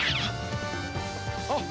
あっ！